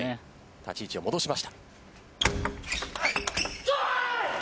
立ち位置を戻しました。